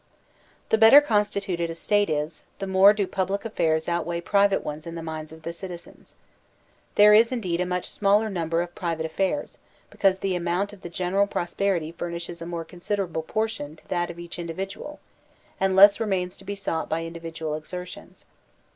The better constituted a State is, the more do public affairs outweigh private ones in the minds of the citi zens. There is, indeed, a much smaller number of private affairs, because the amount of the general prosperity fur nishes a more considerable portion to that of each indi' 84 THE SOCIAL CONTRACT vidual, and less remains to be sought by individual exertions.